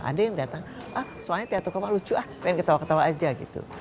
ada yang datang ah soalnya tiatuka mah lucu ah pengen ketawa ketawa aja gitu